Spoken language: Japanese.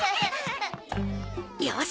よし。